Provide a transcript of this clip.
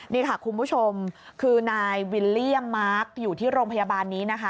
นี่ค่ะคุณผู้ชมคือนายวิลเลี่ยมมาร์คอยู่ที่โรงพยาบาลนี้นะคะ